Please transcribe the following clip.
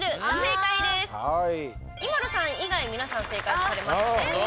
ＩＭＡＬＵさん以外皆さん正解されましたね。